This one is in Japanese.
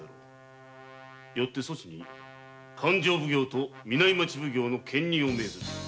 よってそちに勘定奉行と南町奉行の兼任を命ずる。